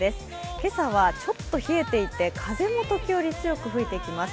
今朝はちょっと冷えていて風も時折、強く吹いています。